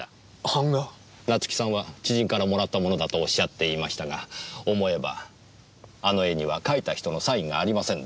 夏樹さんは知人からもらったものだとおっしゃっていましたが思えばあの絵には描いた人のサインがありませんでした。